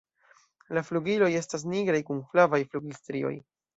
La flugiloj estas nigraj kun flavaj flugilstrioj.